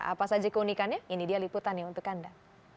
apa saja keunikannya ini dia liputannya untuk anda